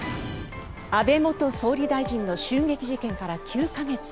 安倍元総理大臣の襲撃事件から９か月。